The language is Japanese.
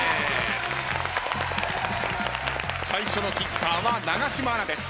最初のキッカーは永島アナです。